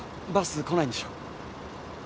バス来ないんでしょう？